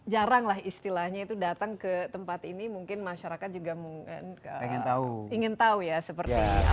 jarang lah istilahnya itu datang ke tempat ini mungkin masyarakat juga mungkin ingin tahu ya seperti apa